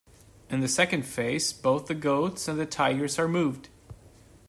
In the second phase both the goats and the tigers are moved.